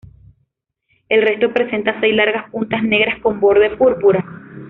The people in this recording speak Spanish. El resto presenta seis largas puntas negras con borde púrpura.